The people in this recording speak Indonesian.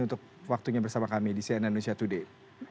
untuk waktunya bersama kami di cnn indonesia today